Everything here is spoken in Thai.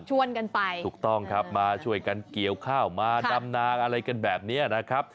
กันไปถูกต้องครับมาช่วยกันเกี่ยวข้าวมาดำนางอะไรกันแบบนี้นะครับ